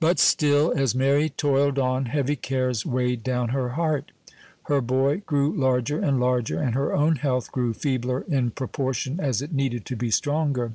But still, as Mary toiled on, heavy cares weighed down her heart. Her boy grew larger and larger, and her own health grew feebler in proportion as it needed to be stronger.